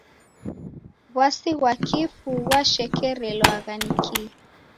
W'asi ghwa kifu ghwashekerelwagha ni kii?